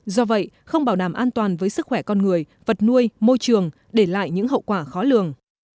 do vậy không bảo đảm an toàn với sức khỏe con người vật nuôi môi trường để lại những hậu quả khó lường